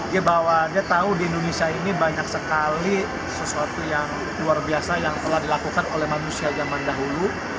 dia bahwa dia tahu di indonesia ini banyak sekali sesuatu yang luar biasa yang telah dilakukan oleh manusia zaman dahulu